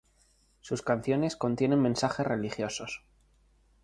Sus canciones contienen mensajes religiosos.